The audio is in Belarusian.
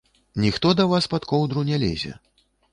Ніхто да вас пад коўдру не лезе.